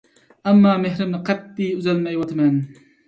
ئەمما مېھرىمنى قەتئىي ئۈزەلمەيۋاتىمەن.